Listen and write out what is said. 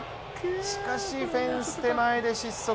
しかし、フェンス手前で失速。